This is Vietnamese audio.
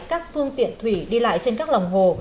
các phương tiện thủy đi lại trên các lòng hồ